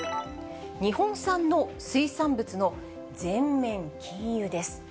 日本産の水産物の全面禁輸です。